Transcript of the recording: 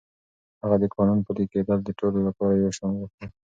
هغه د قانون پلي کېدل د ټولو لپاره يو شان غوښتل.